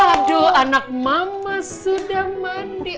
aduh anak mama sedang mandi